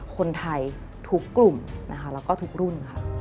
คนไทยทุกกลุ่มแล้วก็ทุกรุ่น